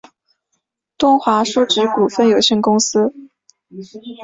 东华书局股份有限公司